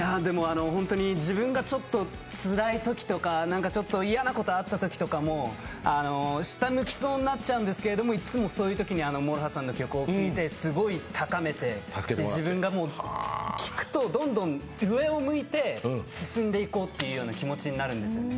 本当に自分がちょっとつらいときとか嫌なことがあってときとかも下を向きそうになっちゃうんですけど、いつもそういうときにＭＯＲＯＨＡさんの曲を聴いてすごい高めて自分が聴くとどんどん上を向いて進んでいこうというような気持ちになるんですよね。